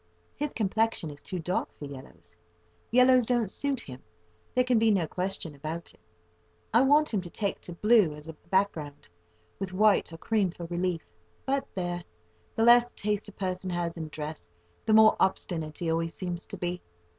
His complexion is too dark for yellows. Yellows don't suit him: there can be no question about it. I want him to take to blue as a background, with white or cream for relief; but, there! the less taste a person has in dress, the more obstinate he always seems to be.